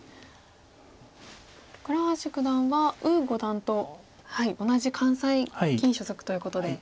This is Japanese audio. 倉橋九段は呉五段と同じ関西棋院所属ということで。